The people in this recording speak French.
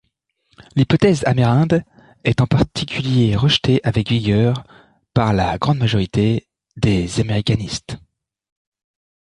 L'hypothèse amérinde est en particulier rejetée avec vigueur par la grande majorité des américanistes.